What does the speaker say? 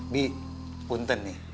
bi punten nih